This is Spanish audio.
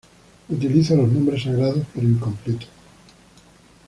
Utiliza los nombres sagrados, pero incompleta.